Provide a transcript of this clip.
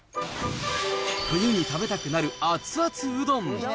冬に食べたくなる熱々うどん。